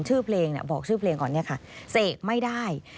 ชื่อเพลงบอกชื่อเพลงก่อนเนี่ยค่ะเสกไม่ได้